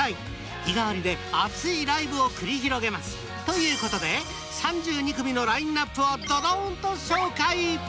日替わりで熱いライブを繰り広げます。ということで３２組のラインアップをドドンと紹介。